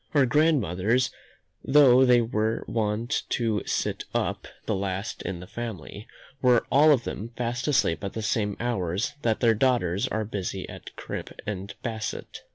Our grandmothers, though they were wont to sit up the last in the family, were all of them fast asleep at the same hours that their daughters are busy at crimp and basset.